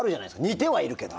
似てはいるけど。